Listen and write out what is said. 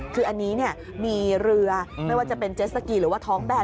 คืออันนี้มีเรือไม่ว่าจะเป็นเจสสกีหรือว่าท้องแบน